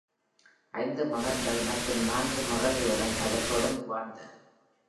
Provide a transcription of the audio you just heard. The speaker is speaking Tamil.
ஐந்து மகன்கள் மற்றும் நான்கு மகள்களுடன் அவர் தொடர்ந்து வாழ்ந்தார்,